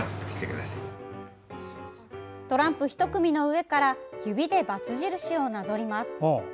トランプひと組の上から指で×印をなぞります。